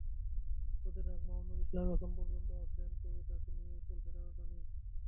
অধিনায়ক মামুনুল ইসলাম এখন পর্যন্ত আছেন, তবে তাঁকে নিয়েও চলছে টানাটানি।